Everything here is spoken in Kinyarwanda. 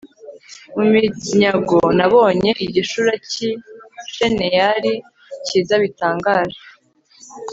mu minyago nabonyemo igishura cy'i shineyari cyiza bitangaje